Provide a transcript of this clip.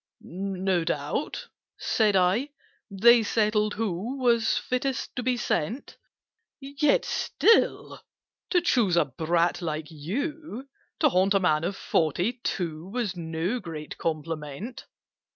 "No doubt," said I, "they settled who Was fittest to be sent Yet still to choose a brat like you, To haunt a man of forty two, Was no great compliment!"